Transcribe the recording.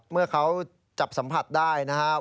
เมื่อเขาจับสัมผัสได้นะครับ